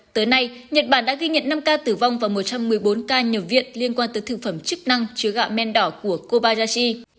tới nay nhật bản đã ghi nhận năm ca tử vong và một trăm một mươi bốn ca nhập viện liên quan tới thực phẩm chức năng chứa gạo men đỏ của kobayashi